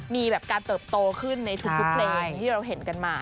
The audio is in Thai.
มีแบบการเติบโตขึ้นในทุกเพลงที่เราเห็นกันมา